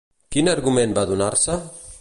Quin argument va donar-se?